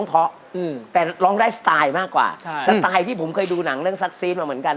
เอาเปลี่ยนชื่อแล้วเหรอ